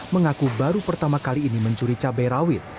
mengaku baru pertama kali ini mencuri cabai rawit